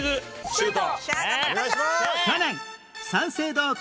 シュート！